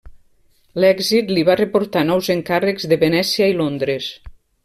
L'èxit li va reportar nous encàrrecs de Venècia i Londres.